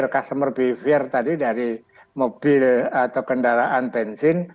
customer behavior tadi dari mobil atau kendaraan bensin